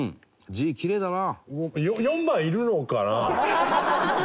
字きれいだな！